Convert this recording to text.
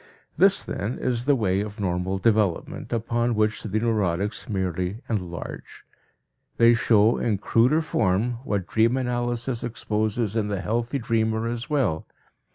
This, then, is the way of normal development, upon which the neurotics merely enlarge. They show in cruder form what dream analysis exposes in the healthy dreamer as well.